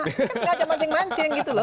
dia kan sengaja mancing mancing gitu loh